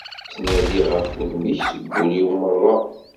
Ttnadiɣ ɣef wudem-ik seg wul-iw merra.